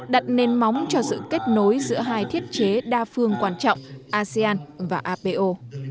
đặt nền móng cho sự kết nối giữa hai thiết chế đa phương quan trọng asean và apo